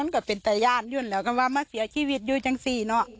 ก็เป็นแต่ย่านอยู่่นแล้วก็ว่ามาเสียชีวิตอยู่จังสิเนอะ